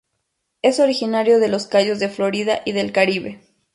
Es originario de los Cayos de Florida y del Caribe.